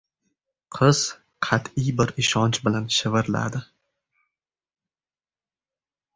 Qiz qatʼiy bir ishonch bilan shivirladi: